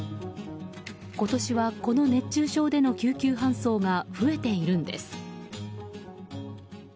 今年はこの熱中症での救急搬送が増えているんです。